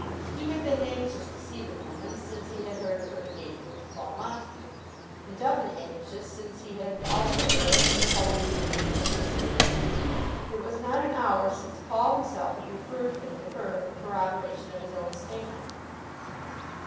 He had been anxious to see the woman since he had heard of her engagement with Paul Montague, and doubly anxious since he had also heard of Paul's engagement with his sister. It was not an hour since Paul himself had referred him to her for corroboration of his own statement.